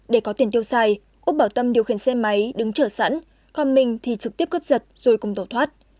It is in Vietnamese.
để có tiền tiêu xài úc bảo tâm điều khiển xe máy đứng chở sẵn còn mình thì trực tiếp cướp giật rồi cùng tổ thoát